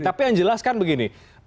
tapi yang jelas kan begini